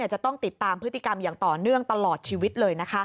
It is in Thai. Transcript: จะต้องติดตามพฤติกรรมอย่างต่อเนื่องตลอดชีวิตเลย